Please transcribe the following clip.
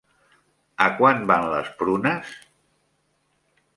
A quant van les prunes?